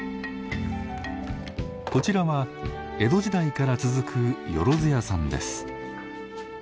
こちらは江戸時代から続くよろず屋さんです。